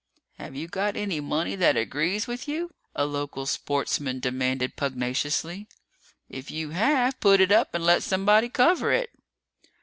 "Have you got any money that agrees with you?" a local sportsman demanded pugnaciously. "If you have, put it up and let somebody cover it!"